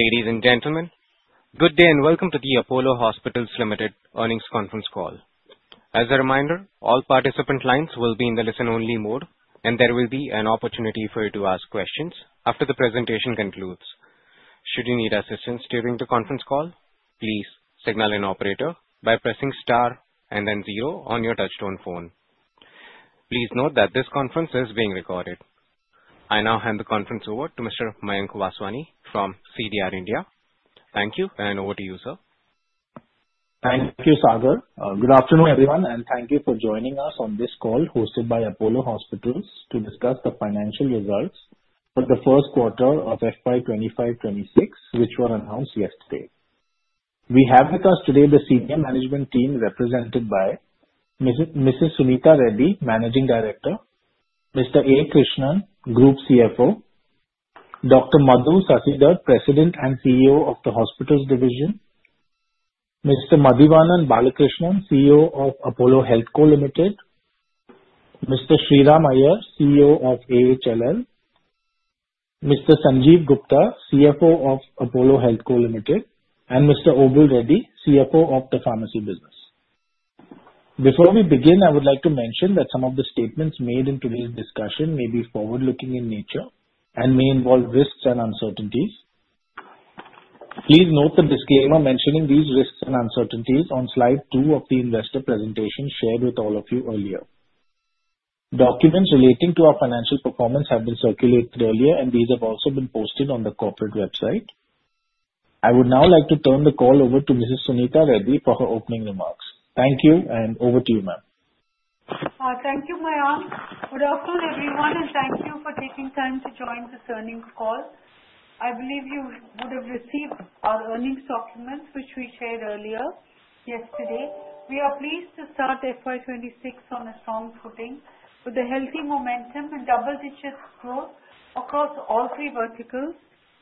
Ladies and gentlemen, good day and welcome to the Apollo Hospitals Limited earnings conference call. As a reminder, all participant lines will be in the listen-only mode, and there will be an opportunity for you to ask questions after the presentation concludes. Should you need assistance during the conference call, please signal an operator by pressing star and then zero on your touchtone phone. Please note that this conference is being recorded. I now hand the conference over to Mr. Mayank Vaswani from CDR India. Thank you, and over to you, sir. Thank you, Sagar. Good afternoon, everyone, and thank you for joining us on this call hosted by Apollo Hospitals to discuss the financial results for the first quarter of FY 2025-2026, which were announced yesterday. We have with us today the senior management team represented by Mrs. Suneeta Reddy, Managing Director, Mr. A. Krishnan, Group CFO, Dr. Madhu Sasidhar, President and CEO of the Hospitals Division, Mr. Madhivanan Balakrishnan, CEO of Apollo HealthCo Limited, Mr. Sriram Iyer, CEO of AHLL, Mr. Sanjiv Gupta, CFO of Apollo HealthCo Limited, and Mr. Obul Reddy, CFO of the Pharmacy Business. Before we begin, I would like to mention that some of the statements made in today's discussion may be forward-looking in nature and may involve risks and uncertainties. Please note the disclaimer mentioning these risks and uncertainties on slide two of the investor presentation shared with all of you earlier. Documents relating to our financial performance have been circulated earlier, and these have also been posted on the corporate website. I would now like to turn the call over to Mrs. Suneeta Reddy for her opening remarks. Thank you, and over to you, ma'am. Thank you, Mayank. Good afternoon, everyone, and thank you for taking time to join this earnings call. I believe you would have received our earnings documents, which we shared earlier yesterday. We are pleased to start FY 2026 on a strong footing with a healthy momentum and double-digit growth across all three verticals: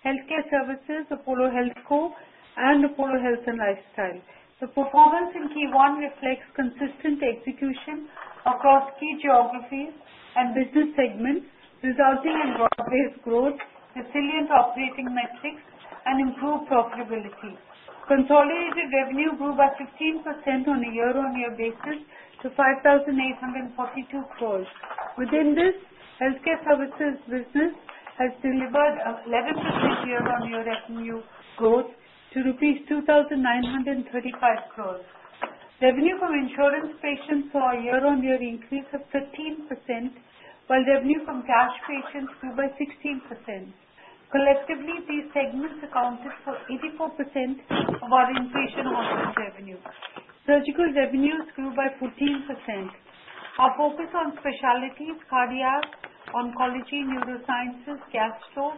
Healthcare Services, Apollo HealthCo, and Apollo Health and Lifestyle. The performance in Q1 reflects consistent execution across key geographies and business segments, resulting in broad-based growth, resilient operating metrics, and improved profitability. Consolidated revenue grew by 15% on a year-on-year basis to 5,842 crore. Within this, Healthcare Services business has delivered 11% year-on-year revenue growth to rupees 2,935 crore. Revenue from insurance patients saw a year-on-year increase of 13%, while revenue from cash patients grew by 16%. Collectively, these segments accounted for 84% of our inflation on average revenue. Surgical revenues grew by 14%. Our focus on specialties: cardiac, oncology, neurosciences, gastro,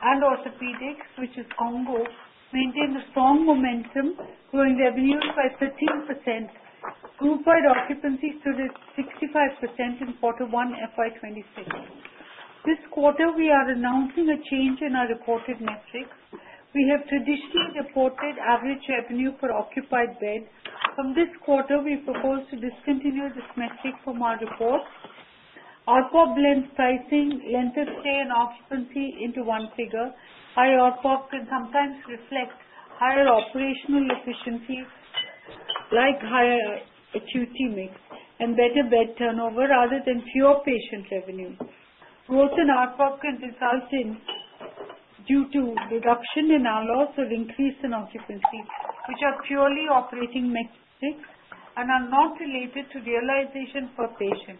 and orthopedics, which is CONGO, maintained a strong momentum, growing revenue by 15%. Group wide occupancy stood at 65% in quarter one, FY 2026. This quarter, we are announcing a change in our reported metrics. We have traditionally reported average revenue per occupied bed. From this quarter, we propose to discontinue this metric from our report. ARPOB blends pricing, length of stay, and occupancy into one figure. Higher ARPOB can sometimes reflect higher operational efficiencies like higher acuity mix and better bed turnover rather than fewer patients' revenue. Growth in ARPOB can result in due to reduction in ALOS or increase in occupancy, which are purely operating metrics and are not related to realization per patient.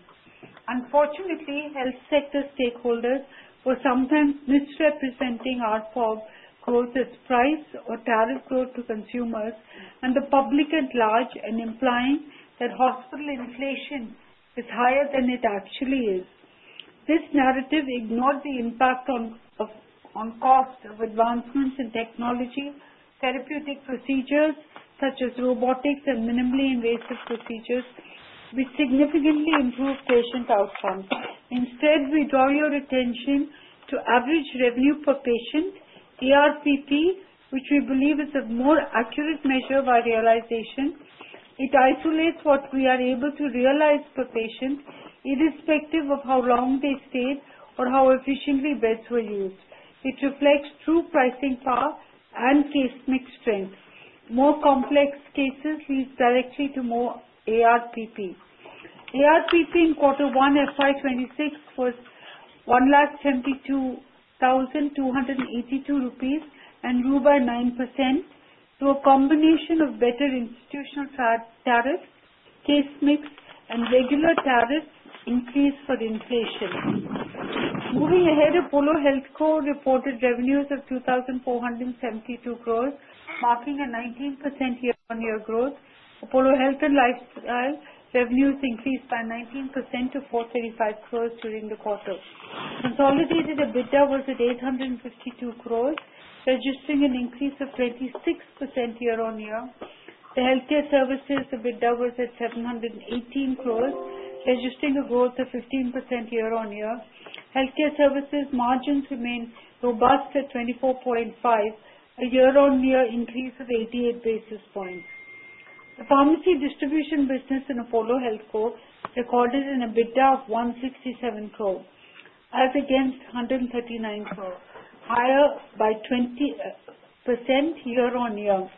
Unfortunately, health sector stakeholders were sometimes misrepresenting ARPOB growth as price or tariff growth to consumers and the public at large and implying that hospital inflation is higher than it actually is. This narrative ignores the impact on cost of advancements in technology, therapeutic procedures such as robotics and minimally invasive procedures, which significantly improve patient outcome. Instead, we draw your attention to average revenue per patient, ARPP, which we believe is a more accurate measure of our realization. It isolates what we are able to realize per patient, irrespective of how long they stayed or how efficiently beds were used. It reflects true pricing power and case mix strength. More complex cases lead directly to more ARPP. ARPP in quarter one, FY 2026, was 172,282 rupees and grew by 9% through a combination of better institutional tariffs, case mix, and regular tariffs increased for inflation. Moving ahead, Apollo HealthCo reported revenues of 2,472 crore, marking a 19% year-on-year growth. Apollo Health and Lifestyle revenues increased by 19% to 435 crore during the quarter. Consolidated EBITDA was at 852 crore, registering an increase of 26% year-on-year. The Healthcare Services EBITDA was at 718 crore, registering a growth of 15% year-on-year. Healthcare Services margins remain robust at 24.5%, a year-on-year increase of 88 basis points. The pharmacy distribution business in Apollo HealthCo recorded an EBITDA of 167 crore, as against 139 crore, higher by 20% year-on-year.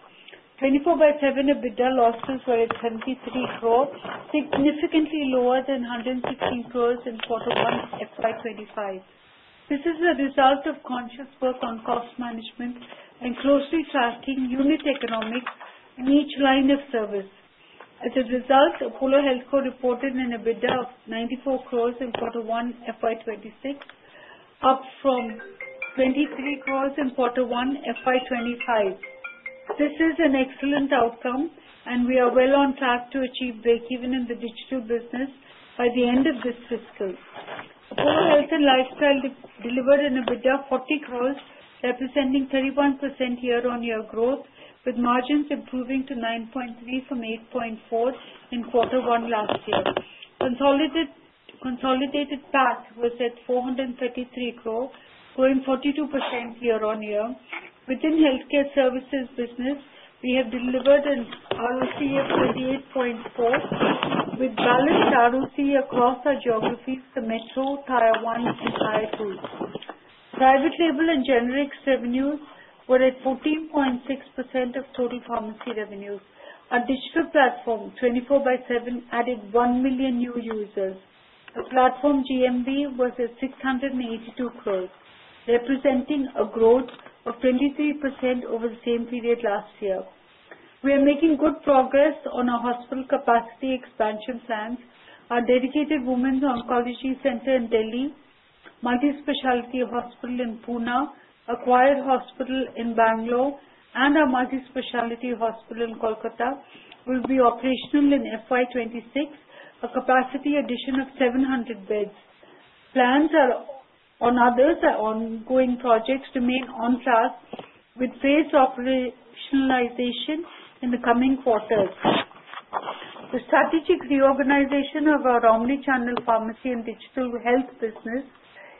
Apollo 24/7 EBITDA losses were at 73 crore, significantly lower than 116 crore in quarter one, FY 2025. This is a result of conscious work on cost management and closely tracking unit economics in each line of service. As a result, Apollo HealthCo reported an EBITDA of 94 crore in quarter one, FY 2026, up from 23 crore in quarter one, FY 2025. This is an excellent outcome, and we are well on track to achieve breakeven in the digital business by the end of this fiscal. Apollo Health and Lifestyle delivered an EBITDA of 40 crore, representing 31% year-on-year growth, with margins improving to 9.3% from 8.4% in quarter one last year. Consolidated PAT was at 433 crore, growing 42% year-on-year. Within Healthcare Services business, we have delivered an ROCE of 38.4%, with balanced ROCE across our geographies: the metro, Tier-1, and Tier-2. Private label and generics revenues were at 14.6% of total pharmacy revenues. Our digital platform Apollo 24/7 added 1 million new users. Our platform GMV was at 682 crore, representing a growth of 23% over the same period last year. We are making good progress on our hospital capacity expansion plans. Our dedicated women's oncology center in Delhi, multi-specialty hospital in Pune, acquired hospital in Bangalore, and our multi-specialty hospital in Kolkata will be operational in FY 2026, a capacity addition of 700 beds. Plans on others are ongoing projects to remain on track with phased operationalization in the coming quarters. The strategic reorganization of our omnichannel pharmacy and digital health business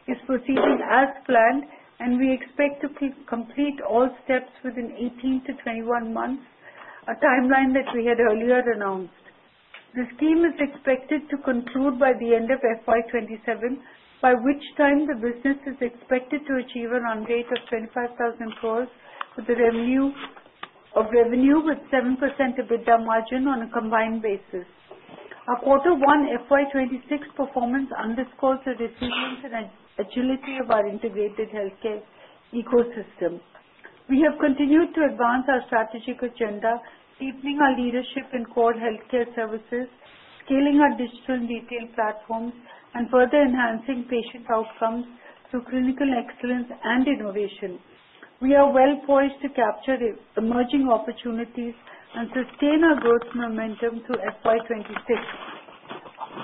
is proceeding as planned, and we expect to complete all steps within 18-21 months, a timeline that we had earlier announced. The scheme is expected to conclude by the end of FY 2027, by which time the business is expected to achieve a run rate of 25,000 crore with a revenue of 7% EBITDA margin on a combined basis. Our quarter one, FY 2026 performance underscores the resilience and agility of our integrated healthcare ecosystem. We have continued to advance our strategic agenda, deepening our leadership in core healthcare services, scaling our digital retail platform, and further enhancing patient outcomes through clinical excellence and innovation. We are well poised to capture the emerging opportunities and sustain our growth momentum through FY 2026.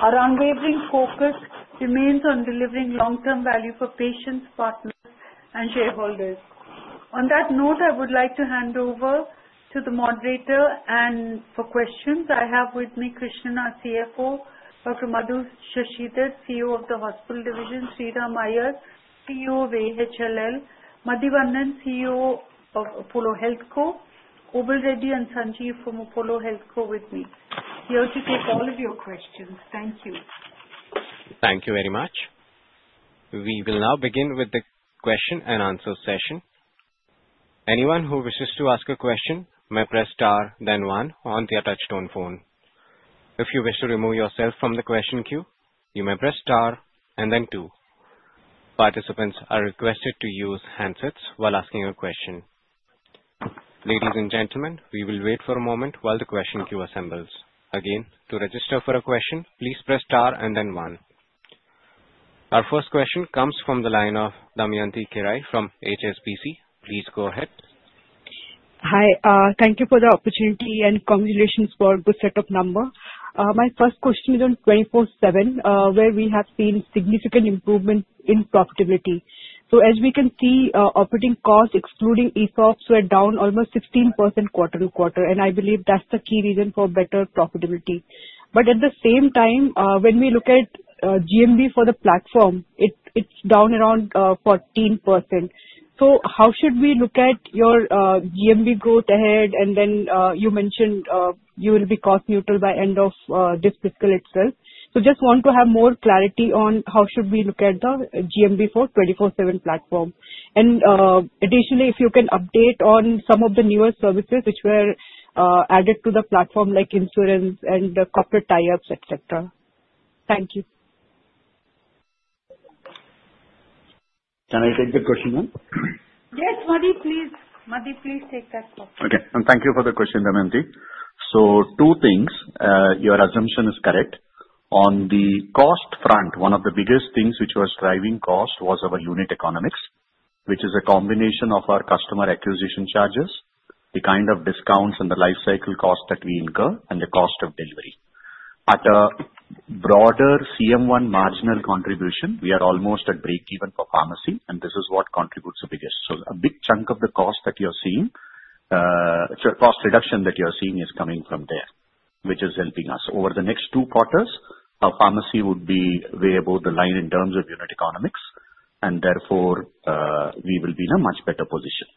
Our unwavering focus remains on delivering long-term value for patients, partners, and shareholders. On that note, I would like to hand over to the moderator and for questions. I have with me Krishnan, our CFO; Dr. Madhu Sasidhar, CEO of the Hospitals Division; Sriram Iyer, CEO of AHLL; Madhivanan, CEO of Apollo HealthCo; Obul Reddy and Sanjiv from Apollo HealthCo with me. Here to take of all of your questions. Thank you. Thank you very much. We will now begin with the question and answer session. Anyone who wishes to ask a question may press star, then one on their touchtone phone. If you wish to remove yourself from the question queue, you may press star and then two. Participants are requested to use handsets while asking a question. Ladies and gentlemen, we will wait for a moment while the question queue assembles. Again, to register for a question, please press star and then one. Our first question comes from the line of Damayanti Kerai from HSBC. Please go ahead. Hi. Thank you for the opportunity and congratulations for the good set of number. My first question is on Apollo 24/7, where we have seen significant improvement in profitability. As we can see, operating costs, excluding ESOPs, were down almost 16% quarter-to-quarter, and I believe that's the key reason for better profitability. At the same time, when we look at GMV for the platform, it's down around 14%. How should we look at your GMV growth ahead? You mentioned you will be cost neutral by the end of this fiscal itself. I just want to have more clarity on how should we look at the GMV for the Apollo 24/7 platform. Additionally, if you can update on some of the newer services which were added to the platform, like insurance and the corporate tie-ups, et cetera. Thank you. Can I take the question ma'am? Yes, Madhi, please. Madhi, please take that question. Okay. Thank you for the question, Damayanti. Two things. Your assumption is correct. On the cost front, one of the biggest things which was driving cost was our unit economics, which is a combination of our customer acquisition charges, the kind of discounts and the lifecycle cost that we incur, and the cost of delivery. At a broader CM1 marginal contribution, we are almost at breakeven for pharmacy, and this is what contributes to the biggest. A big chunk of the cost that you're seeing, cost reduction that you're seeing, is coming from there, which is helping us. Over the next two quarters, our pharmacy would be way above the line in terms of unit economics, and therefore, we will be in a much better position.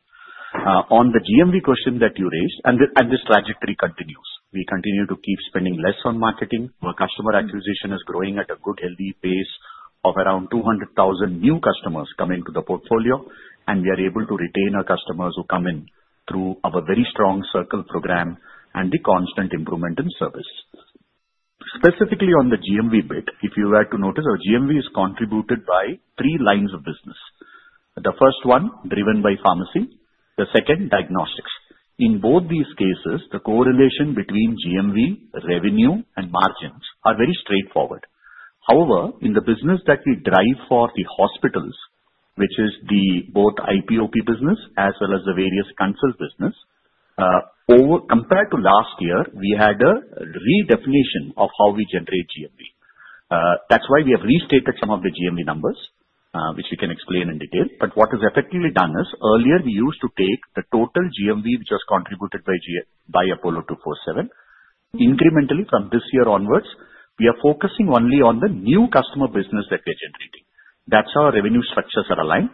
On the GMV question that you raised, and this trajectory continues, we continue to keep spending less on marketing. Our customer acquisition is growing at a good, healthy pace of around 200,000 new customers coming to the portfolio, and we are able to retain our customers who come in through our very strong circle program and the constant improvement in service. Specifically on the GMV bit, if you were to notice, our GMV is contributed by three lines of business. The first one, driven by pharmacy; the second, diagnostics. In both these cases, the correlation between GMV, revenue, and margins is very straightforward. However, in the business that we drive for the hospitals, which is both the IPOP business as well as the various consult business, compared to last year, we had a redefinition of how we generate GMV. That's why we have restated some of the GMV numbers, which we can explain in detail. What it has effectively done is earlier, we used to take the total GMV which was contributed by Apollo 24/7. Incrementally, from this year onwards, we are focusing only on the new customer business that we're generating. That's how our revenue structures are aligned.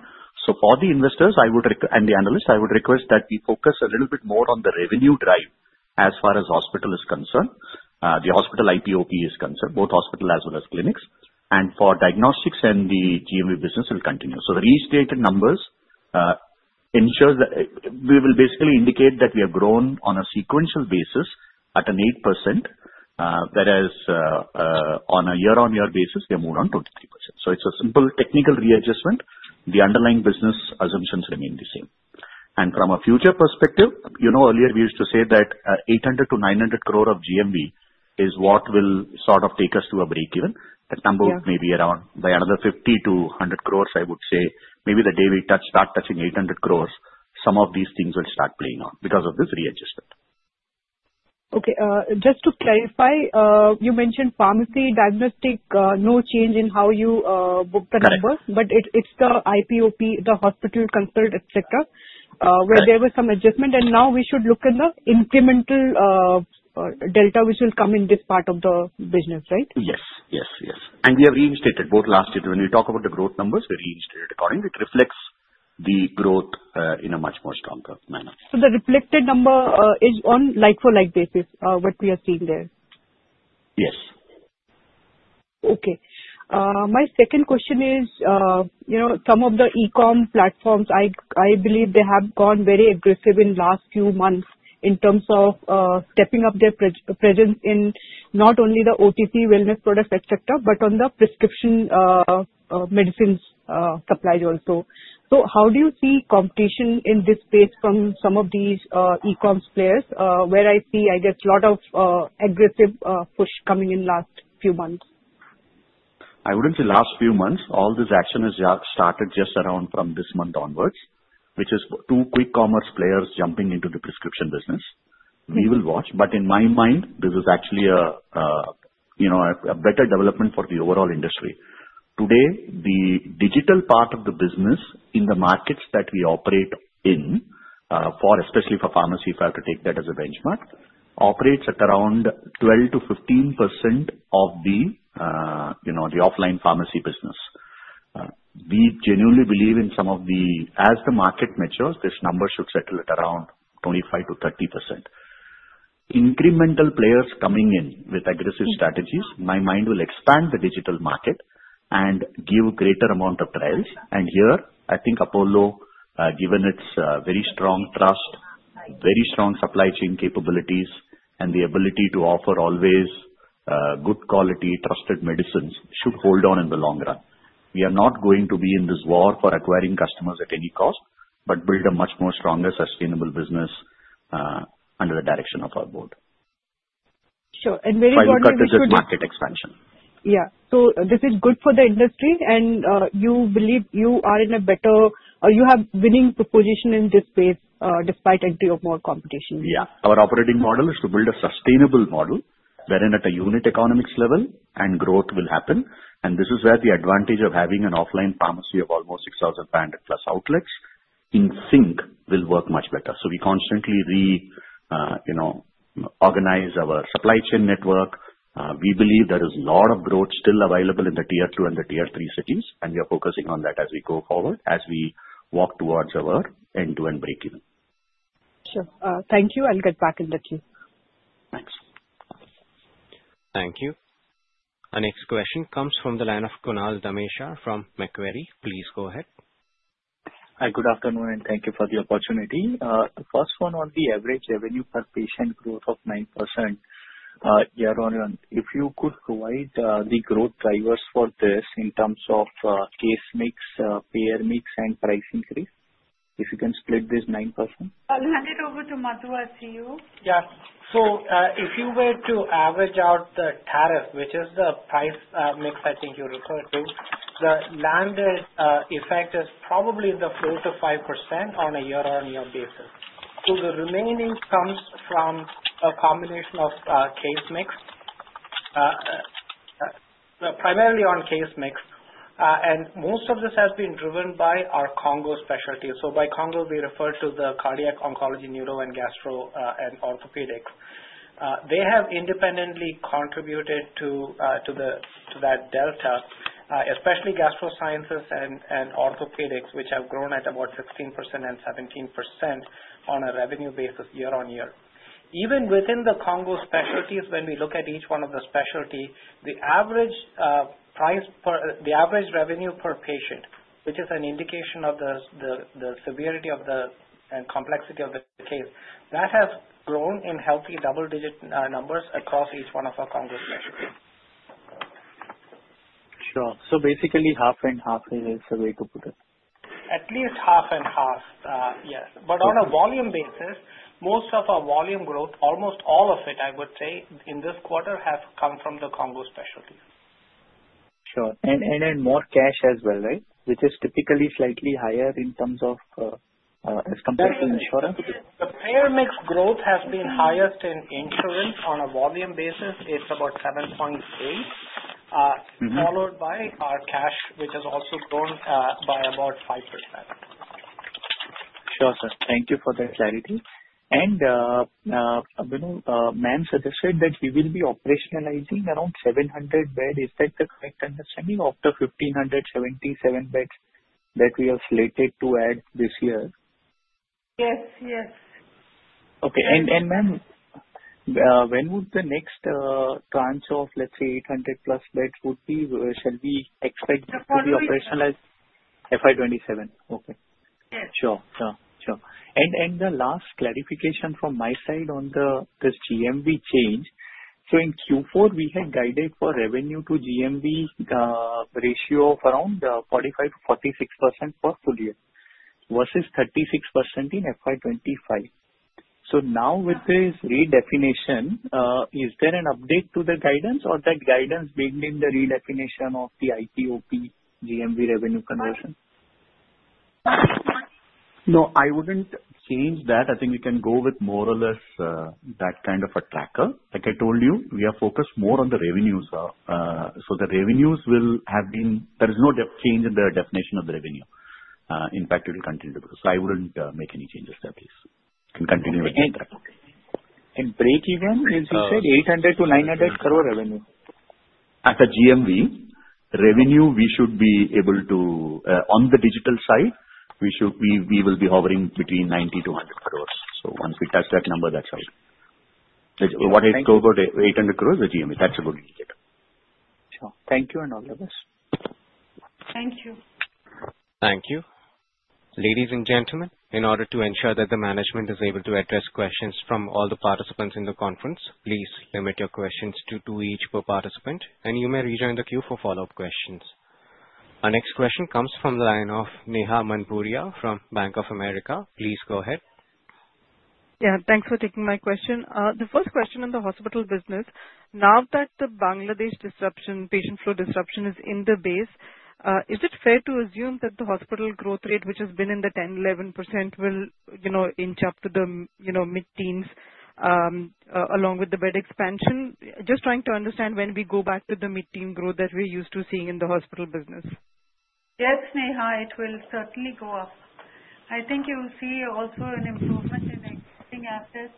To all the investors and the analysts, I would request that we focus a little bit more on the revenue drive as far as hospital is concerned, the hospital IPOP is concerned, both hospital as well as clinics, and for diagnostics, and the GMV business will continue. The restated numbers ensure that we will basically indicate that we have grown on a sequential basis at an 8%, whereas, on a year-on-year basis, we have moved on to 23%. It is a simple technical readjustment. The underlying business assumptions remain the same. From a future perspective, earlier we used to say that 800-900 crore of GMV is what will sort of take us to a breakeven. That number may be around by another 50-100 crore. I would say maybe the day we start touching 800 crore, some of these things will start playing out because of this readjustment. Okay. Just to clarify, you mentioned pharmacy, diagnostic, no change in how you book the numbers, but it's the IPOP, the hospital consult, et cetera, where there was some adjustment, and now we should look at the incremental delta which will come in this part of the business, right? Yes, yes, yes. We have reinstated both last year. When we talk about the growth numbers, we reinstated accordingly. It reflects the growth in a much more stronger manner. The reflected number is on a like-for-like basis, what we are seeing there? Yes. Okay. My second question is, you know, some of the e-com platforms, I believe they have gone very aggressive in the last few months in terms of stepping up their presence in not only the OTC wellness products, et cetera, but on the prescription medicines supplies also. How do you see competition in this space from some of these e-com players where I see, I guess, a lot of aggressive push coming in the last few months? I wouldn't say last few months. All this action has started just around from this month onwards, which is two quick commerce players jumping into the prescription business. We will watch. In my mind, this is actually a better development for the overall industry. Today, the digital part of the business in the markets that we operate in, especially for pharmacy, if I have to take that as a benchmark, operates at around 12%-15% of the offline pharmacy business. We genuinely believe as the market matures, this number should settle at around 25%-30%. Incremental players coming in with aggressive strategies, in my mind, will expand the digital market and give a greater amount of trials. I think Apollo, given its very strong trust, very strong supply chain capabilities, and the ability to offer always good quality, trusted medicines, should hold on in the long run. We are not going to be in this war for acquiring customers at any cost, but build a much more stronger, sustainable business, under the direction of our board. Sure, very important. If I look at this as market expansion. Yeah, this is good for the industry, and you believe you are in a better, or you have a winning proposition in this space despite entry of more competition? Yeah. Our operating model is to build a sustainable model wherein at a unit economics level, growth will happen. This is where the advantage of having an offline pharmacy of almost 6,500+ outlets in sync will work much better. We constantly reorganize our supply chain network. We believe there is a lot of growth still available in the Tier-2 and the Tier-3 cities, and we are focusing on that as we go forward, as we walk towards our end-to-end breakeven. Sure. Thank you. I'll get back in the queue. Thanks. Thank you. Our next question comes from the line of Kunal Dhamesha from Macquarie. Please go ahead. Hi. Good afternoon, and thank you for the opportunity. The first one on the average revenue per patient growth of 9%. Year-on-year, if you could provide the growth drivers for this in terms of case mix, payer mix, and pricing creep, if you can split this 9%? I'll hand it over to Madhu, our CEO. Yeah. If you were to average out the tariff, which is the price mix, I think you referred to, the land effect is probably in the 4%-5% on a year-on-year basis. The remaining comes from a combination of case mix, primarily on case mix, and most of this has been driven by our CONGO specialty. By CONGO, we refer to the cardiac, oncology, neuro, gastro, and orthopedics. They have independently contributed to that delta, especially gastro sciences and orthopedics, which have grown at about 16% and 17% on a revenue basis year-on-year. Even within the CONGO specialties, when we look at each one of the specialties, the average price per, the average revenue per patient, which is an indication of the severity and complexity of the case, that has grown in healthy double-digit numbers across each one of our CONGO specialties. Basically, half and half, it is a way to put it? At least half and half, yes. On a volume basis, most of our volume growth, almost all of it, I would say, in this quarter has come from the CONGO specialties. Sure, more cash as well, right, which is typically slightly higher in terms of as compared to insurance? Payer mix growth has been higher in insurance on a volume basis. It's about 7.8%, followed by our cash, which has also grown by about 5%. Thank you for the clarity. Ma'am, this said that we will be operationalizing around 700 beds, is that the correct understanding of the 1,577 beds that we are slated to add this year? Yes, yes. Okay, ma'am, when would the next tranche of, let's say, 800+ beds shall be expected to be operationalized? The following year. FY 2027. Okay. Yes. Sure. The last clarification from my side on this GMV change. In Q4, we had guided for revenue to GMV ratio of around 45%-46% per full year versus 36% in FY 2025. With this redefinition, is there an update to the guidance or that guidance being in the redefinition of the IPOP GMV revenue conversion? No, I wouldn't change that. I think you can go with more or less that kind of a tracker. Like I told you, we are focused more on the revenues. The revenues will have been, there is no change in the definition of the revenue. In fact, it will continue to grow. I wouldn't make any changes to this. And continue with that. Breakeven is, you said, 800 crore-900 crore revenue? As a GMV revenue, we should be able to, on the digital side, we will be hovering between 90 to 100 crore. Once we touch that number, that's right. What I spoke about, 800 crore is a GMV. That's a good indicator. Sure. Thank you and all the best. Thank you. Thank you. Ladies and gentlemen, in order to ensure that the management is able to address questions from all the participants in the conference, please limit your questions to two each per participant, and you may rejoin the queue for follow-up questions. Our next question comes from the line of Neha Manpuria from Bank of America. Please go ahead. Thanks for taking my question. The first question in the hospital business, now that the Bangladesh patient flow disruption is in the base, is it fair to assume that the hospital growth rate, which has been in the 10%, 11%, will inch up to the mid-teens along with the bed expansion? Just trying to understand when we go back to the mid-teen growth that we're used to seeing in the hospital business. Yes, Neha, it will certainly go up. I think you will see also an improvement in existing assets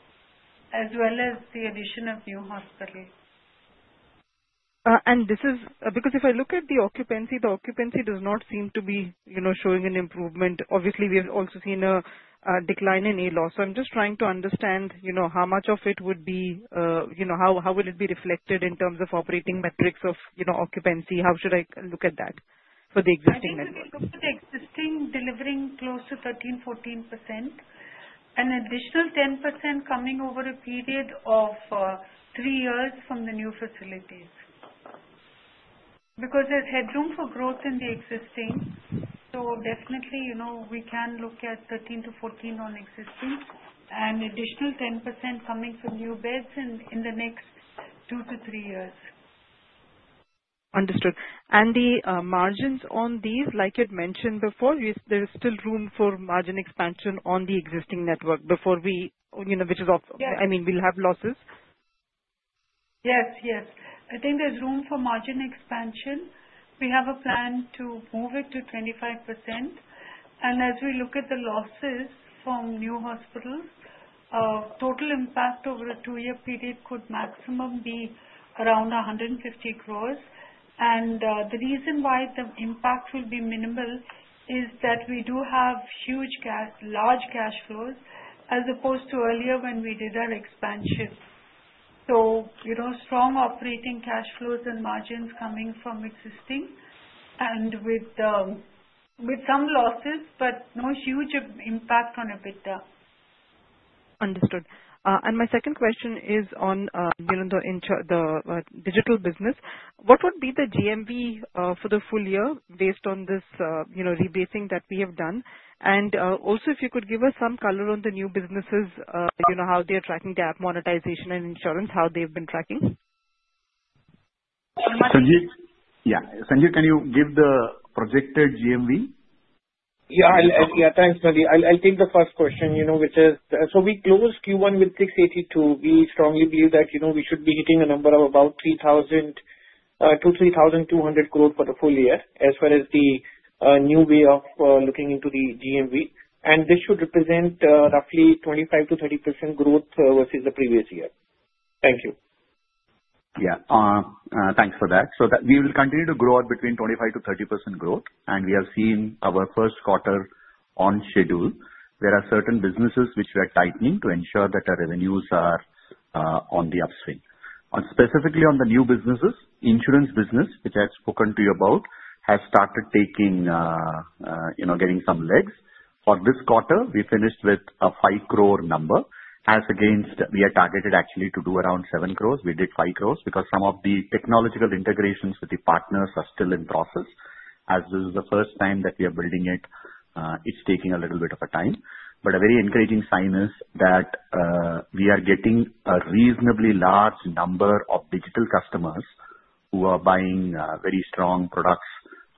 as well as the addition of new hospitals. This is because if I look at the occupancy, the occupancy does not seem to be showing an improvement. Obviously, we have also seen a decline in ALOS. I'm just trying to understand how much of it would be, you know, how would it be reflected in terms of operating metrics of occupancy? How should I look at that for the existing network? I think it will go for the existing delivering close to 13%, 14%, and an additional 10% coming over a period of three years from the new facilities because there's headroom for growth in the existing. Definitely, you know, we can look at 13% to 14% on existing and additional 10% coming from new beds in the next two to three years. Understood. The margins on these, like you had mentioned before, is there is still room for margin expansion on the existing network before we, you know, which is also, I mean, we'll have losses? Yes, yes. I think there's room for margin expansion. We have a plan to move it to 25%. As we look at the losses from new hospitals, total impact over a two-year period could maximum be around 150 crore. The reason why the impact will be minimal is that we do have huge cash, large cash flows as opposed to earlier when we did our expansion. Strong operating cash flows and margins coming from existing and with some losses, but no huge impact on EBITDA. Understood. My second question is on the digital business. What would be the GMV for the full year based on this rebasing that we have done? Also, if you could give us some color on the new businesses, how they're tracking GAAP monetization and insurance, how they've been tracking? Sanjiv? Yeah. Sanjiv, can you give the projected GMV? Yeah, thanks, Madhi. I'll take the first question, you know, which is, we closed Q1 with 682 crore. We strongly believe that, you know, we should be hitting a number of about 3,000 crore-3,200 crore for the full year as well as the new way of looking into the GMV. This should represent roughly 25% to 30% growth versus the previous year. Thank you. Thanks for that. We will continue to grow at between 25% to 30% growth, and we have seen our first quarter on schedule. There are certain businesses which we are tightening to ensure that our revenues are on the upswing. Specifically, on the new businesses, insurance business, which I had spoken to you about, has started getting some legs. For this quarter, we finished with an 5 crore number as against we had targeted actually to do around 7 crore. We did 5 crore because some of the technological integrations with the partners are still in process. As this is the first time that we are building it, it's taking a little bit of time. A very encouraging sign is that we are getting a reasonably large number of digital customers who are buying very strong products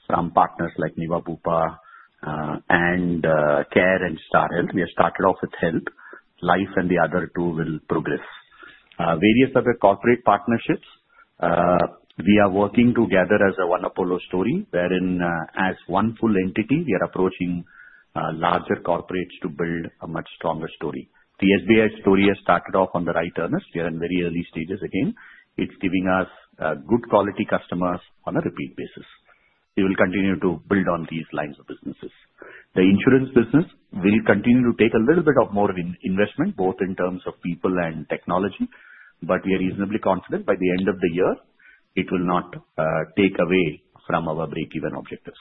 from partners like Niva Bupa and Care and Star Health. We have started off with Health. Life and the other two will progress. Various other corporate partnerships, we are working together as a one Apollo story, wherein as one full entity, we are approaching larger corporates to build a much stronger story. The SBI story has started off in the right earnest. We are in very early stages again. It's giving us good quality customers on a repeat basis. We will continue to build on these lines of businesses. The insurance business will continue to take a little bit more investment, both in terms of people and technology, but we are reasonably confident by the end of the year, it will not take away from our breakeven objectives.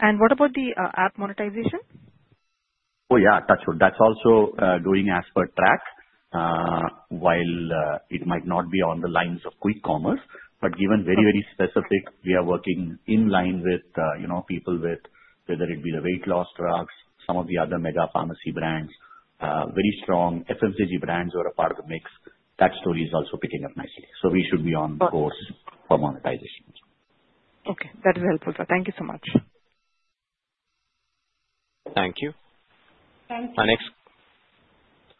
What about the app monetization? Oh, yeah. That's also going as per track. While it might not be on the lines of quick commerce, given very, very specific, we are working in line with, you know, people with whether it be the weight loss drugs, some of the other mega pharmacy brands, very strong FMCG brands who are a part of the mix. That story is also picking up nicely. We should be on course for monetization. Okay, that is helpful. Thank you so much. Thank you.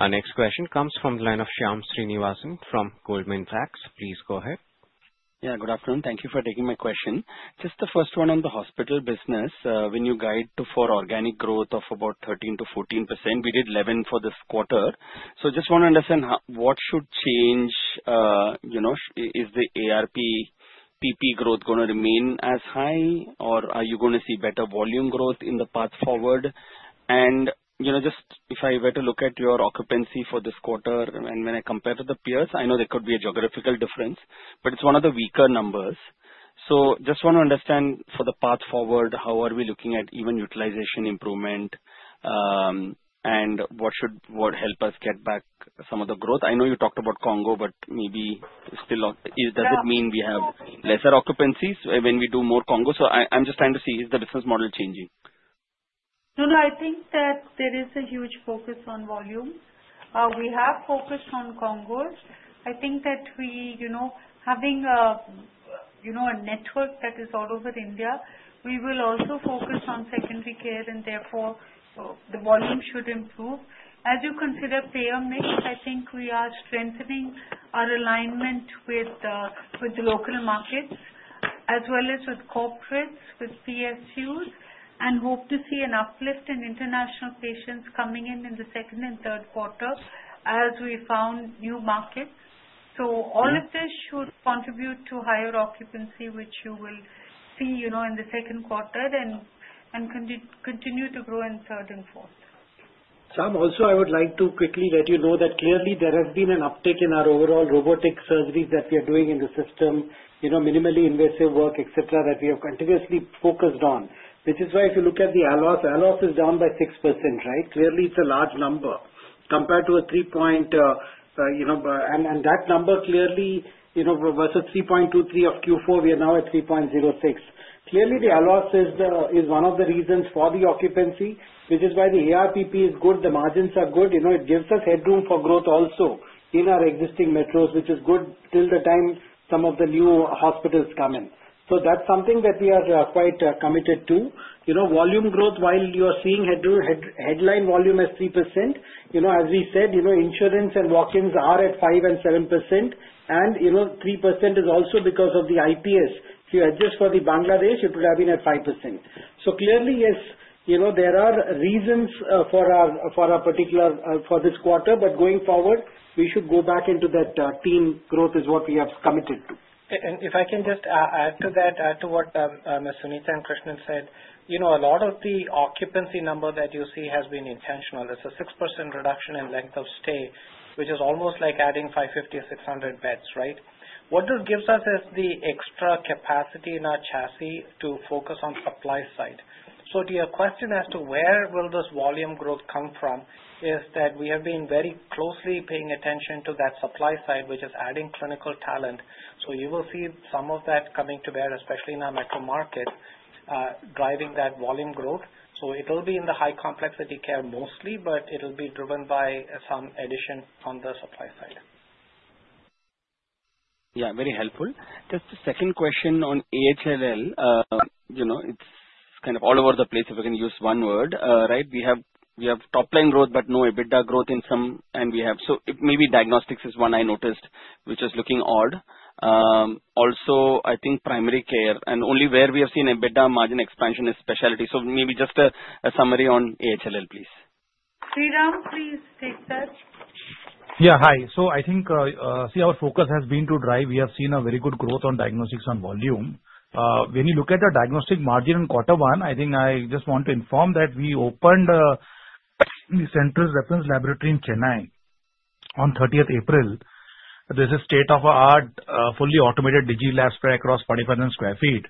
Our next question comes from the line of Shyam Srinivasan from Goldman Sachs. Please go ahead. Good afternoon. Thank you for taking my question. The first one in the hospital business, when you guide for organic growth of about 13% to 14%, we did 11% for this quarter. I just want to understand what should change, you know, is the ARPP growth going to remain as high, or are you going to see better volume growth in the path forward? If I were to look at your occupancy for this quarter and when I compare to the peers, I know there could be a geographical difference, but it's one of the weaker numbers. I just want to understand for the path forward, how are we looking at even utilization improvement, and what should help us get back some of the growth? I know you talked about CONGO, but maybe still, does it mean we have lesser occupancies when we do more CONGO? I'm just trying to see, is the business model changing? No, no. I think that there is a huge focus on volume. We have focused on CONGO. I think that we, you know, having a, you know, a network that is all over India, we will also focus on secondary care, and therefore, the volume should improve. As you consider payer mix, I think we are strengthening our alignment with the local markets as well as with corporates, with PSUs, and hope to see an uplift in international patients coming in in the second and third quarter as we found new markets. All of this should contribute to higher occupancy, which you will see in the second quarter and continue to grow in third and fourth. Shyam, also, I would like to quickly let you know that clearly there has been an uptake in our overall robotic surgeries that we are doing in the system, you know, minimally invasive work, et cetera, that we have continuously focused on, which is why if you look at the ALOS. ALOS is down by 6%, right? Clearly, it's a large number compared to a three point, you know, and that number clearly, you know, versus 3.23 of Q4, we are now at 3.06. Clearly, the ALOS is one of the reasons for the occupancy, which is why the ARPP is good. The margins are good. It gives us headroom for growth also in our existing metros, which is good till the time some of the new hospitals come in. That is something that we are quite committed to. Volume growth, while you are seeing headline volume as 3%, as we said, insurance and walk-ins are at 5% and 7%, and 3% is also because of the IPS. If you adjust for the Bangladesh, it would have been at 5%. Clearly, yes, there are reasons for our particular for this quarter, but going forward, we should go back into that team growth is what we have committed to. If I can just add to that, add to what Ms. Suneeta and Krishnan said, a lot of the occupancy number that you see has been intentional. It's a 6% reduction in length of stay, which is almost like adding 550 or 600 beds, right? What this gives us is the extra capacity in our chassis to focus on supply side. To your question as to where will this volume growth come from, we are being very closely paying attention to that supply side, which is adding clinical talent. You will see some of that coming to bear, especially in our metro market, driving that volume growth. It will be in the high complexity care mostly, but it will be driven by some addition on the supply side. Yeah, very helpful. Just the second question on AHLL, you know, it's kind of all over the place if I can use one word, right? We have top line growth, but no EBITDA growth in some, and we have, so maybe diagnostics is one I noticed, which is looking odd. Also, I think primary care, and only where we have seen EBITDA margin expansion is specialty. Maybe just a summary on AHLL, please. Sriram, please take that. Yeah, hi. I think, see, our focus has been to drive. We have seen a very good growth on diagnostics on volume. When you look at the diagnostic margin on quarter one, I think I just want to inform that we opened the central reference laboratory in Chennai on 30th April. This is state of art, fully automated DigiLab spread across 45,000 sq ft.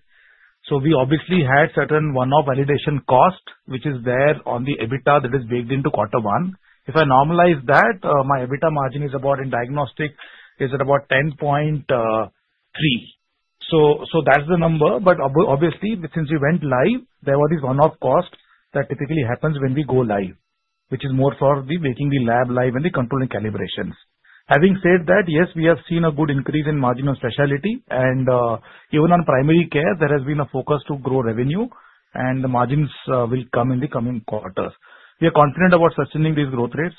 We obviously had certain one-off validation cost, which is there on the EBITDA that is baked into quarter one. If I normalize that, my EBITDA margin is about, in diagnostic, is at about 10.3%. That's the number. Obviously, since we went live, there were these one-off costs that typically happen when we go live, which is more for making the lab live and the controlling calibrations. Having said that, yes, we have seen a good increase in margin of specialty, and even on primary care, there has been a focus to grow revenue, and the margins will come in the coming quarters. We are confident about sustaining these growth rates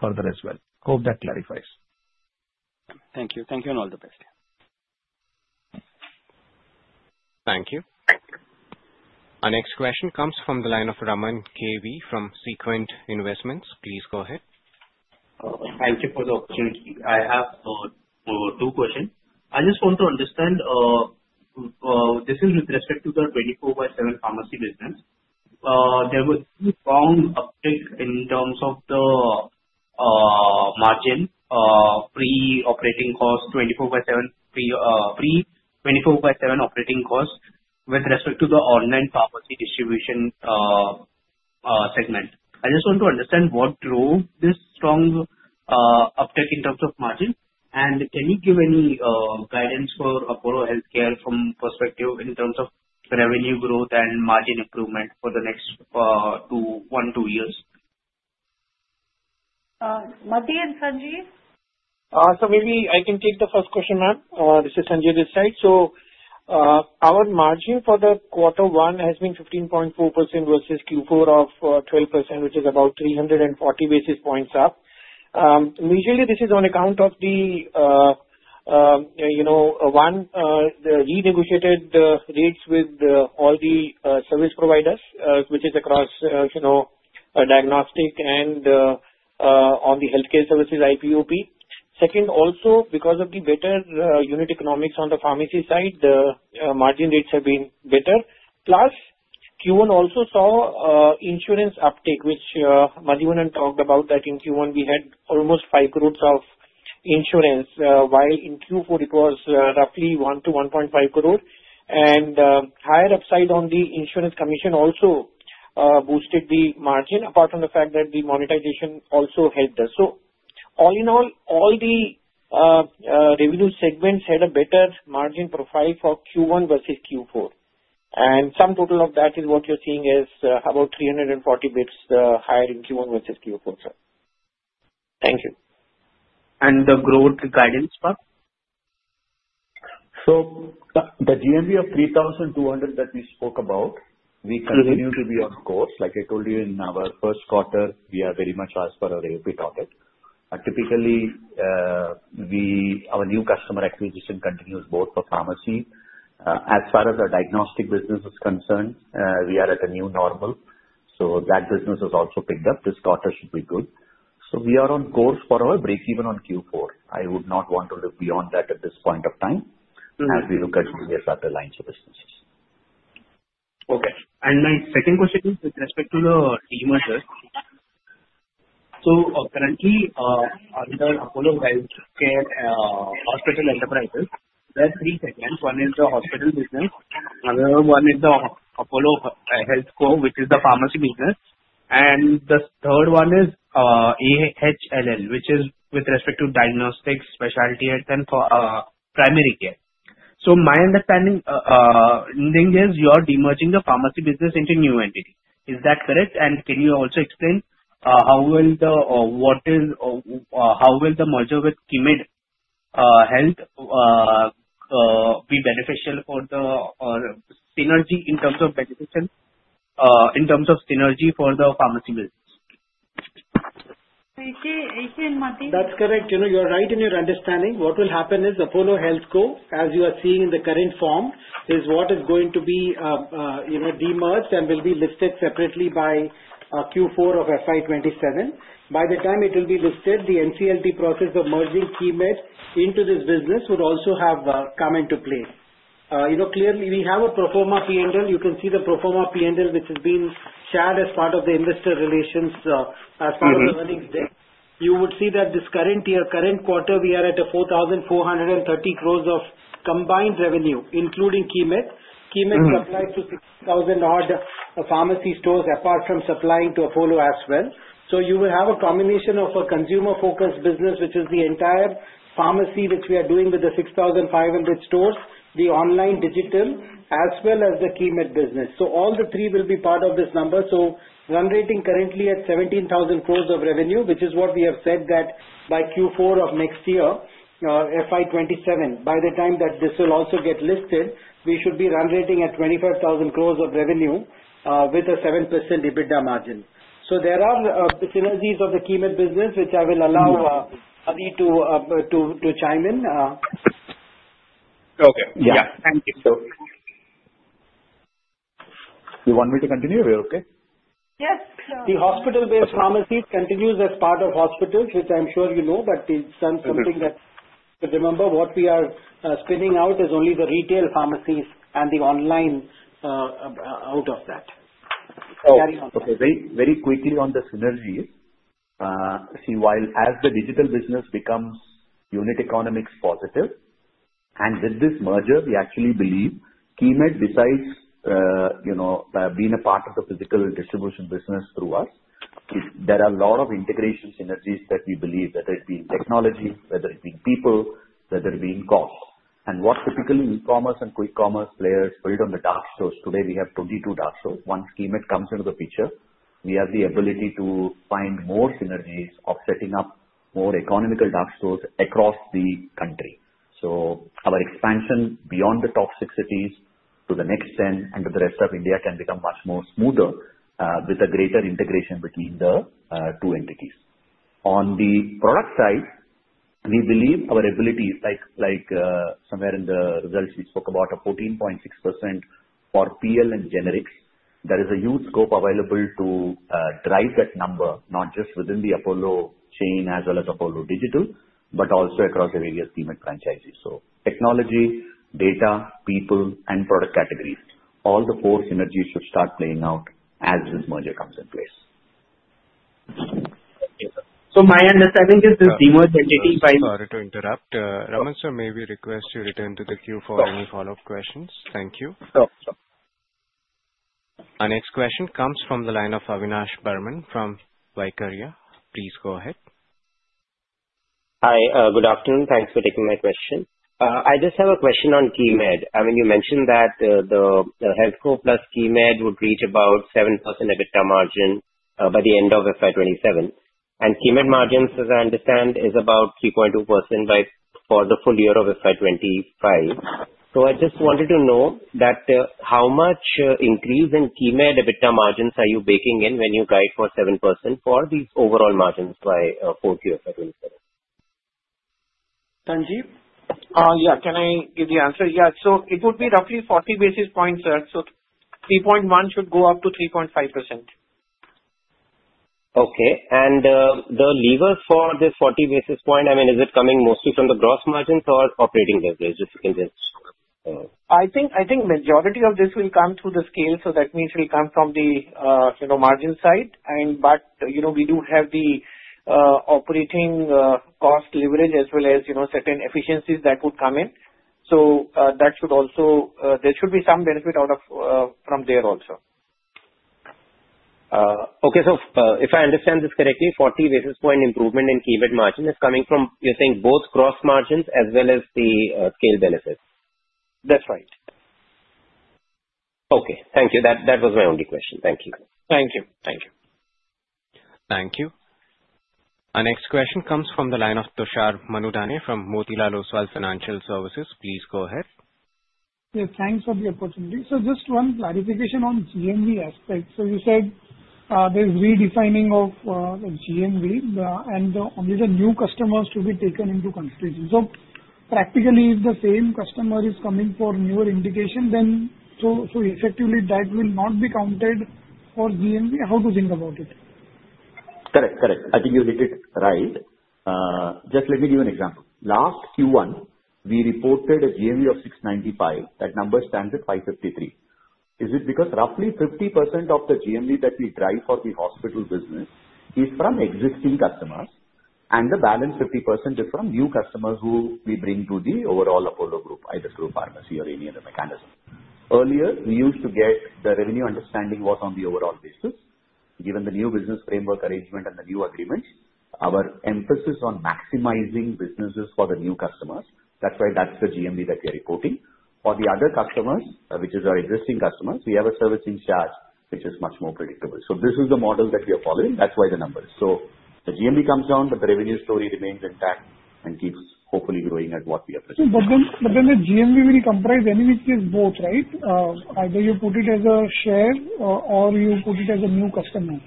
further as well. Hope that clarifies. Thank you. Thank you and all the best. Thank you. Our next question comes from the line of Raman KV from Sequent Investments. Please go ahead. Thank you for the opportunity. I have two questions. I just want to understand, this is with respect to the Apollo 24/7 pharmacy business. There was a strong uptick in terms of the margin, pre-operating cost, Apollo 24/7, pre-Apollo 24/7 operating cost with respect to the online pharmacy distribution segment. I just want to understand what drove this strong uptick in terms of margin? Can you give any guidance for Apollo Healthcare from perspective in terms of revenue growth and margin improvement for the next one, two years? Madhi and Sanjiv? Maybe I can take the first question, ma'am. This is Sanjiv this side. Our margin for the quarter one has been 15.4% versus Q4 of 12%, which is about 340 basis points up. Usually, this is on account of the, you know, one, the renegotiated rates with all the service providers, which is across, you know, diagnostic and on the healthcare services IPOP. Second, also, because of the better unit economics on the pharmacy side, the margin rates have been better. Plus, Q1 also saw insurance uptake, which Madhi and I talked about that in Q1, we had almost 5 crore of insurance, while in Q4, it was roughly 1 crore-1.5 crore. Higher upside on the insurance commission also boosted the margin, apart from the fact that the monetization also helped us. All in all, all the revenue segments had a better margin profile for Q1 versus Q4. The sum total of that is what you're seeing is about 340 bps higher in Q1 versus Q4, sir. Thank you. And the growth guidance part? The GMV of 3,200 that we spoke about, we continue to be on course. Like I told you, in our first quarter, we are very much as per our AOP target. Typically, our new customer acquisition continues both for pharmacy. As far as our diagnostic business is concerned, we are at a new normal. That business has also picked up. This quarter should be good. We are on course for our breakeven on Q4. I would not want to look beyond that at this point of time as we look at various other lines of businesses. Okay. My second question is with respect to the demerger. Currently, under Apollo Hospitals Enterprises, there are three segments. One is the hospital business, another one is Apollo HealthCo, which is the pharmacy business, and the third one is AHLL, which is with respect to diagnostics, specialty health, and primary care. My understanding is you are demerging the pharmacy business into a new entity. Is that correct? Can you also explain how the merger with Keimed Health will be beneficial in terms of synergy for the pharmacy business? That's correct. You're right in your understanding. What will happen is Apollo HealthCo, as you are seeing in the current form, is what is going to be demerged and will be listed separately by Q4 of FY 2027. By the time it will be listed, the NCLT process of merging Keimed into this business would also have come into play. Clearly, we have a proforma P&L. You can see the proforma P&L, which has been shared as part of the investor relations earnings there. You would see that this current year, current quarter, we are at 4,430 crore of combined revenue, including Keimed. Keimed supplies to 6,000 odd pharmacy stores apart from supplying to Apollo as well. You will have a combination of a consumer-focused business, which is the entire pharmacy, which we are doing with the 6,500 stores, the online digital, as well as the Keimed business. All three will be part of this number. Run rating currently at 17,000 crore of revenue, which is what we have said that by Q4 of next year, FY 2027, by the time that this will also get listed, we should be run rating at 25,000 crore of revenue with a 7% EBITDA margin. There are synergies of the Keimed business, which I will allow Madhi to chime in. Okay. Thank you. You want me to continue? We're okay? Yes. The hospital-based pharmacies continue as part of hospitals, which I'm sure you know. Remember, what we are spinning out is only the retail pharmacies and the online out of that. Okay. Very quickly on the synergies, see, while as the digital business becomes unit economics positive, and with this merger, we actually believe Keimed, besides, you know, being a part of the physical distribution business through us, there are a lot of integration synergies that we believe, whether it be in technology, whether it be in people, whether it be in cost. What typically e-commerce and quick commerce players build on the dark stores. Today, we have 22 dark stores. Once Keimed comes into the picture, we have the ability to find more synergies of setting up more economical dark stores across the country. Our expansion beyond the top six cities to the next 10 and to the rest of India can become much more smoother with a greater integration between the two entities. On the product side, we believe our abilities, like somewhere in the results we spoke about, a 14.6% for PL in generics, there is a huge scope available to drive that number, not just within the Apollo chain as well as Apollo Digital, but also across the various Keimed franchises. Technology, data, people, and product categories, all the four synergies should start playing out as this merger comes in place. My understanding is this demerged entity by. Sorry to interrupt. Raman, sir, may we request you return to the queue for any follow-up questions? Thank you. Sure. Our next question comes from the line of Avnish Burman from Vaikarya. Please go ahead. Hi. Good afternoon. Thanks for taking my question. I just have a question on Keimed. You mentioned that the HealthCo plus Keimed would reach about 7% EBITDA margin by the end of FY 2027. Keimed margins, as I understand, is about 3.2% for the full year of FY 2025. I just wanted to know how much increase in Keimed EBITDA margins are you baking in when you drive for 7% for these overall margins by full year? Yeah. Can I give the answer? Yeah. It would be roughly 40 basis points, sir. 3.1% should go up to 3.5%. Okay. The lever for the 40 basis point, is it coming mostly from the gross margins or operating leverages? I think the majority of this will come through the scale. That means it will come from the, you know, margin side. We do have the operating cost leverage as well as, you know, certain efficiencies that would come in. There should also be some benefit out of from there also. Okay. If I understand this correctly, 40 basis point improvement in Keimed margin is coming from, you're saying, both gross margins as well as the scale benefit? That's right. Okay. Thank you. That was my only question. Thank you. Thank you. Thank you. Thank you. Our next question comes from the line of Tushar Manudhane from Motilal Oswal Financial Services. Please go ahead. Yeah, thanks for the opportunity. Just one clarification on the GMV aspect. You said there's redefining of GMV, and these are new customers to be taken into consideration. Practically, if the same customer is coming for newer indication, then effectively, that will not be counted for GMV. How do you think about it? Correct. Correct. I think you hit it right. Just let me give you an example. Last Q1, we reported a GMV of 695 million. That number stands at 553 million. Is it because roughly 50% of the GMV that we drive for the hospital business is from existing customers, and the balance 50% is from new customers who we bring to the overall Apollo group, either through pharmacy or any other mechanism? Earlier, we used to get the revenue understanding was on the overall basis. Given the new business framework arrangement and the new agreements, our emphasis on maximizing businesses for the new customers, that's why that's the GMV that we are reporting. For the other customers, which are our existing customers, we have a service in charge, which is much more predictable. This is the model that we are following. That's why the numbers. The GMV comes down, but the revenue story remains intact and keeps hopefully growing at what we are presenting. The GMV will comprise any, which is both, right? Either you put it as a share or you put it as a new customer?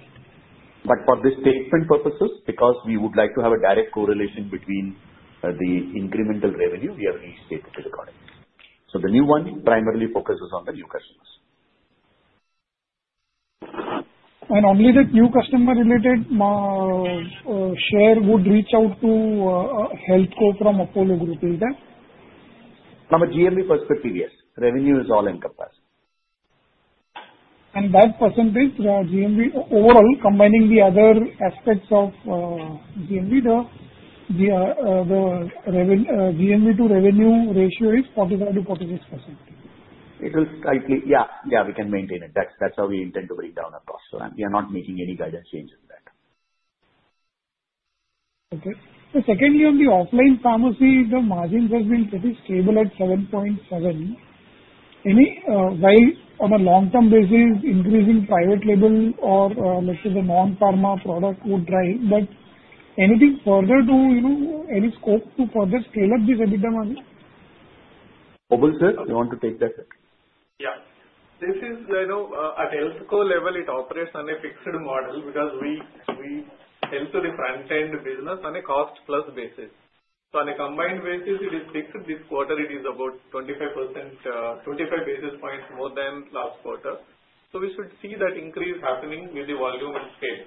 For this statement purposes, because we would like to have a direct correlation between the incremental revenue, we have restated the requirements. The new one primarily focuses on the new customers. Only that new customer-related share would reach out to HealthCo from Apollo Group, is that? From a GMV perspective, yes, revenue is all encompassed. The percentage, yeah, GMV overall, combining the other aspects of GMV, the GMV to revenue ratio is 45%-46%. It will slightly, yeah, we can maintain it. That's how we intend to break down our costs. We are not making any guidance change in that. Okay. Secondly, on the offline pharmacy, the margins have been pretty stable at 7.7%. Any way on a long-term basis, increasing private label or, let's say, the non-pharma product would drive, but anything further to, you know, any scope to further scale up this EBITDA margin? Obul, sir, you want to take that? Yeah. This is, you know, at HealthCo level, it operates on a fixed model because we help to the franchise in the business on a cost-plus basis. On a combined basis, it is fixed this quarter. It is about 25%, 25 basis points more than last quarter. We should see that increase happening with the volume and scale.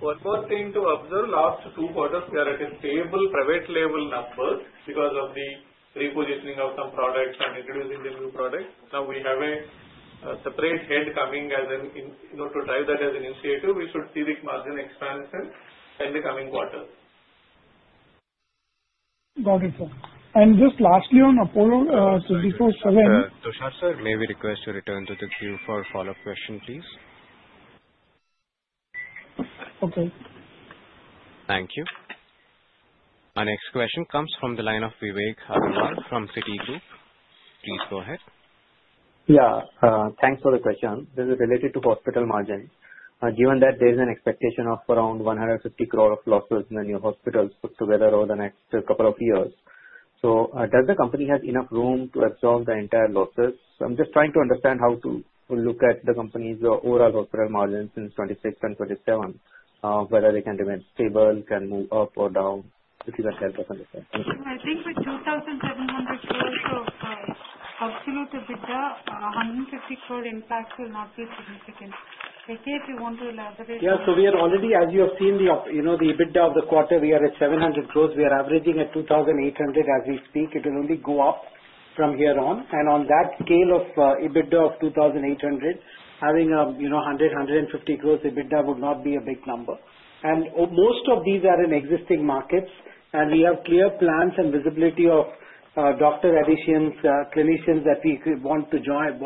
What we're trying to observe last two quarters, there are stable private label numbers because of the repositioning of some products and introducing the new products. We have a separate head coming as an, you know, to try that as an initiative. We should see this margin expansion in the coming quarter. Got it, sir. Just lastly, on Apollo 24/7. Tushar, sir, may we request you return to the queue for a follow-up question, please? Okay. Thank you. Our next question comes from the line of Vivek Agrawal from Citigroup. Please go ahead. Yeah. Thanks for the question. This is related to hospital margins. Given that there is an expectation of around 150 crore of losses in the new hospitals put together over the next couple of years, does the company have enough room to absorb the entire losses? I'm just trying to understand how to look at the company's overall hospital margins since 2026 and 2027, whether they can remain stable, can move up or down. If you can help us understand? I think with 2,700 crore of absolute EBITDA, 150 crore impact will not be significant. AK, if you want to elaborate. Yeah. We are already, as you have seen, the EBITDA of the quarter, we are at 700 crore. We are averaging at 2,800 crore as we speak. It will only go up from here. On that scale of EBITDA of 2,800 crore, having 100 crore, 150 crore EBITDA would not be a big number. Most of these are in existing markets. We have clear plans and visibility of doctor additions, clinicians that we want to join,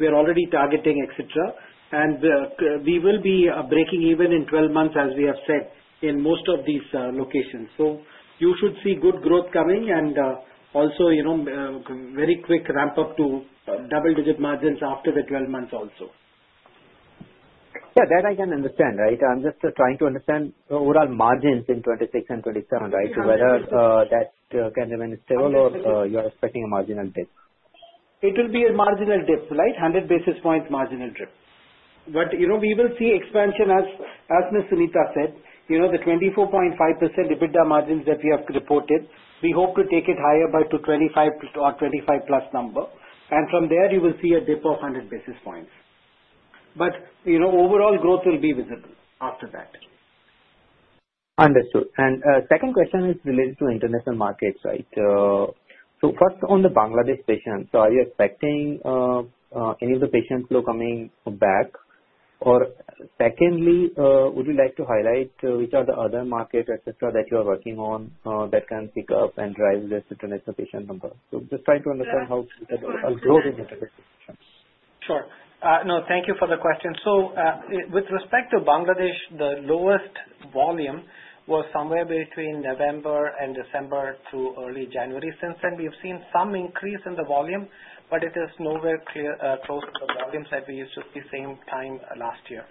we are already targeting, et cetera. We will be breaking even in 12 months, as we have said, in most of these locations. You should see good growth coming and also, you know, very quick ramp up to double-digit margins after the 12 months also. Yeah, that I can understand, right? I'm just trying to understand overall margins in 2026 and 2027, right? Whether that can remain stable or you're expecting a marginal dip? It will be a marginal dip, right? 100 basis points marginal dip. You know, we will see expansion as, as Ms. Suneeta said, you know, the 24.5% EBITDA margins that we have reported, we hope to take it higher to 25% or 25% plus number. From there, you will see a dip of 100 basis points. You know, overall growth will be visible after that. Understood. The second question is related to international markets, right? First, on the Bangladesh patient, are you expecting any of the patient flow coming back? Secondly, would you like to highlight which are the other markets that you are working on that can pick up and drive this international patient number? Just trying to understand how to grow international patients? Sure. No, thank you for the question. With respect to Bangladesh, the lowest volume was somewhere between November and December to early January. Since then, we've seen some increase in the volume, but it is nowhere close to the volumes that we used to see same time last year.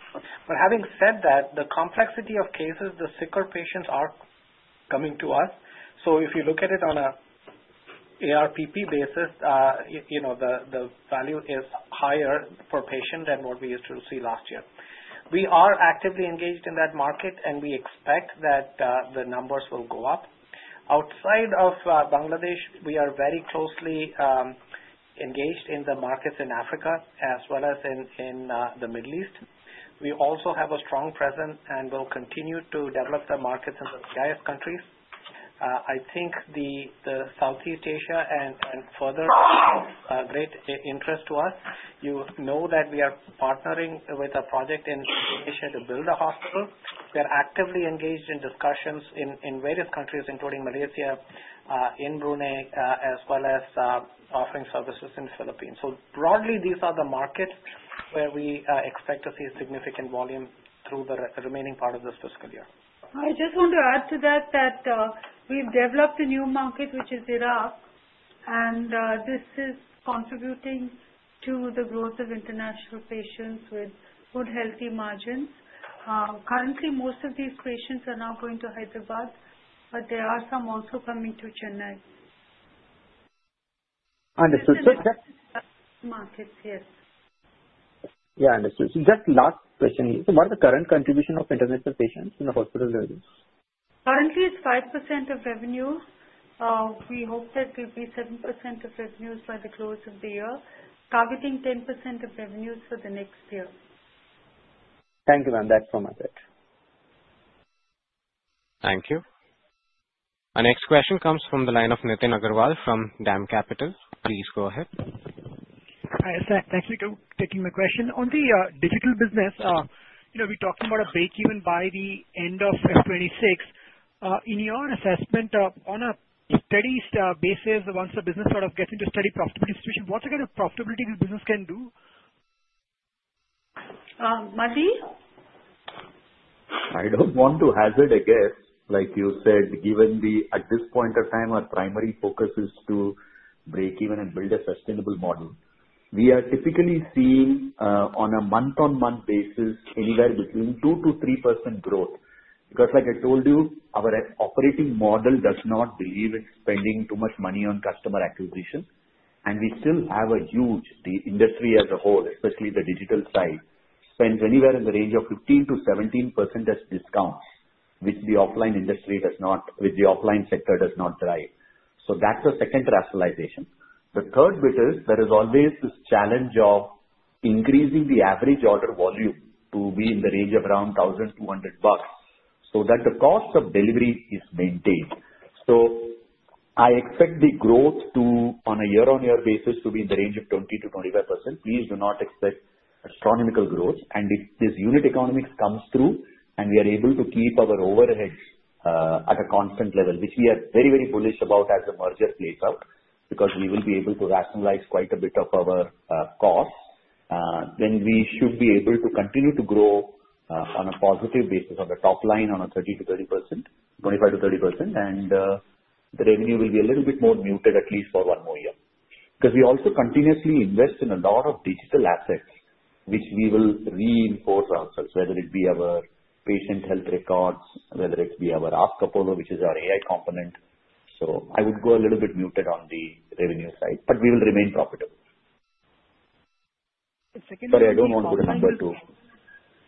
Having said that, the complexity of cases, the sicker patients are coming to us. If you look at it on an ARPP basis, the value is higher per patient than what we used to see last year. We are actively engaged in that market, and we expect that the numbers will go up. Outside of Bangladesh, we are very closely engaged in the markets in Africa as well as in the Middle East. We also have a strong presence and will continue to develop the markets in the CIS countries. I think Southeast Asia and further great interest to us. You know that we are partnering with a project in Asia to build a hospital. They're actively engaged in discussions in various countries, including Malaysia, in Brunei, as well as offering services in the Philippines. Broadly, these are the markets where we expect to see significant volume through the remaining part of this fiscal year. I just want to add to that that we've developed a new market, which is Iraq, and this is contributing to the growth of international patients with good healthy margins. Currently, most of these patients are now going to Hyderabad, but there are some also coming to Chennai. Understood. Those are the markets, yes. Yeah, understood. Just last question, what is the current contribution of international patients in the hospital revenue? Currently, it's 5% of revenue. We hope that we'll be 7% of revenues by the close of the year, targeting 10% of revenues for the next year. Thank you, ma'am. That's from my side. Thank you. Our next question comes from the line of Nitin Agarwal from DAM Capital. Please go ahead. Thank you for taking my question. On the digital business, you know, we're talking about a breakeven by the end of 2026. In your assessment, on a steady basis, once the business sort of gets into steady profitable distribution, what's the kind of profitability the business can do? Madhi? I don't want to hazard a guess. Like you said, given that at this point of time, our primary focus is to break even and build a sustainable model. We are typically seeing on a month-on-month basis anywhere between 2% to 3% growth because, like I told you, our operating model does not believe in spending too much money on customer acquisition. We still have a huge industry as a whole, especially the digital side, spends anywhere in the range of 15%-17% as discounts, which the offline industry does not, which the offline sector does not drive. That's a second rationalization. The third bit is there is always this challenge of increasing the average order volume to be in the range of around $1,200 so that the cost of delivery is maintained. I expect the growth to, on a year-on-year basis, to be in the range of 20%-25%. Please do not expect astronomical growth. If this unit economics comes through and we are able to keep our overheads at a constant level, which we are very, very bullish about as the merger plays out because we will be able to rationalize quite a bit of our costs, we should be able to continue to grow on a positive basis on the top line on a 25% to 30%. The revenue will be a little bit more muted, at least for one more year because we also continuously invest in a lot of digital assets, which we will reinforce ourselves, whether it be our patient health records, whether it be our Ask Apollo, which is our AI component. I would go a little bit muted on the revenue side, but we will remain profitable. Sorry, I don't want to go too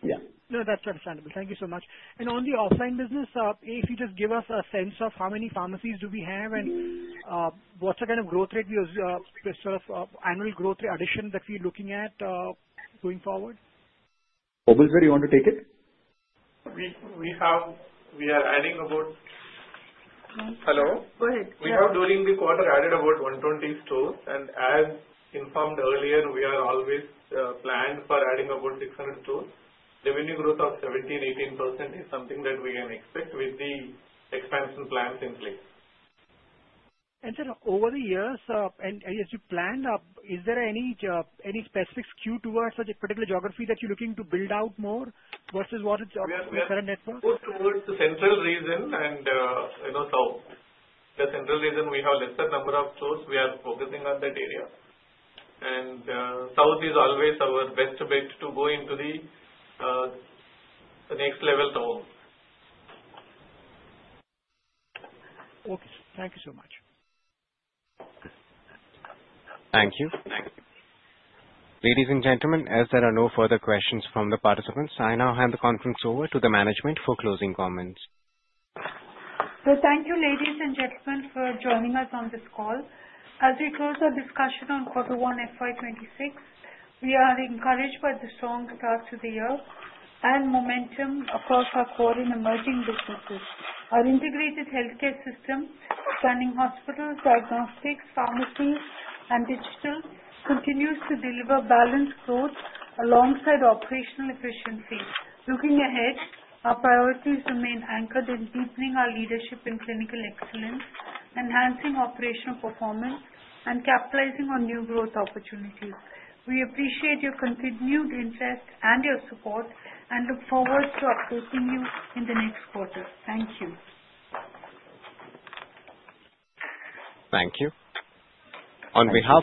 deep. No, that's understandable. Thank you so much. On the offline business, if you just give us a sense of how many pharmacies do we have and what's the kind of growth rate we preserve for annual growth rate addition that we're looking at going forward? Obul, sir, you want to take it? We are adding about, hello? Go ahead. We have during the quarter added about 120 stores. As informed earlier, we are always planning for adding about 600 stores. Revenue growth of 17%, 18% is something that we can expect with the expansion plans in place. Over the years, and as you planned, is there any specifics due to such a particular geography that you're looking to build out more versus what is the current network? We are going to move to Central region and, you know, South. The Central region, we have a lesser number of stores. We are focusing on that area. South is always our best bet to go into the next level though. Okay, sir. Thank you so much. Thank you. Thank you. Ladies and gentlemen, as there are no further questions from the participants, I now hand the conference over to the management for closing comments. Thank you, ladies and gentlemen, for joining us on this call. As we close our discussion on quarter one, FY 2026, we are encouraged by the strong start to the year and momentum for support in emerging businesses. Our integrated healthcare system, spanning hospitals, diagnostics, pharmacies, and digital, continues to deliver balanced growth alongside operational efficiency. Looking ahead, our priorities remain anchored in deepening our leadership in clinical excellence, enhancing operational performance, and capitalizing on new growth opportunities. We appreciate your continued interest and your support and look forward to updating you in the next quarter. Thank you. Thank you. On behalf.